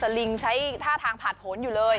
สลิงใช้ท่าทางผ่านโหน่งอยู่เลย